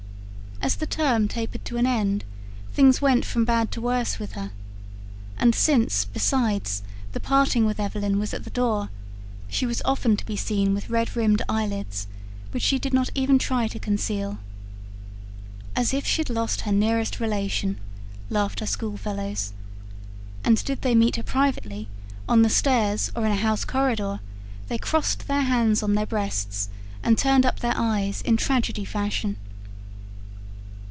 As the term tapered to an end, things went from bad to worse with her; and since, besides, the parting with Evelyn was at the door, she was often to be seen with red rimmed eyelids, which she did not even try to conceal. "As if she'd lost her nearest relation!" laughed her school fellows. And did they meet her privately, on the stairs or in a house corridor, they crossed their hands on their breasts and turned up their eyes, in tragedy fashion.